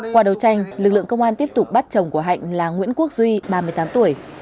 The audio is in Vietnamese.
qua đấu tranh lực lượng công an tiếp tục bắt chồng của hạnh là nguyễn quốc duy ba mươi tám tuổi